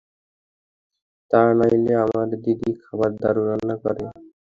তা নাহলে আমার দিদি খাবার দারুন রান্না করে।